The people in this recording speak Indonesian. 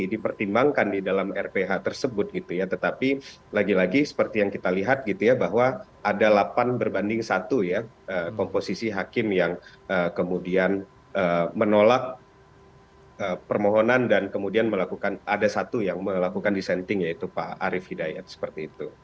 dipertimbangkan di dalam rph tersebut gitu ya tetapi lagi lagi seperti yang kita lihat gitu ya bahwa ada delapan berbanding satu ya komposisi hakim yang kemudian menolak permohonan dan kemudian melakukan ada satu yang melakukan dissenting yaitu pak arief hidayat seperti itu